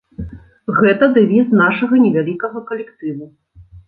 Гэта дэвіз нашага невялікага калектыву.